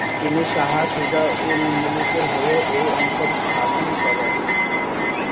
তিনি শাহ সুজা-উল-মুলকের হয়ে এই অঞ্চল শাসন করেন।